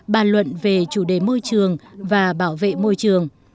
bàn luận về chủ đề môi trường và bảo vệ môi trường